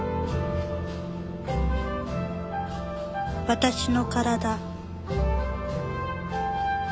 私の身体。